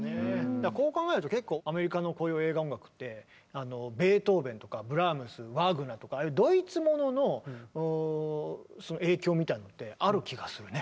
だからこう考えると結構アメリカのこういう映画音楽ってベートーベンとかブラームスワーグナーとかああいうドイツものの影響みたいなのってある気がするね。